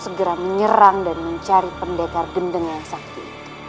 segera menyerang dan mencari pendekar gendeng yang sakit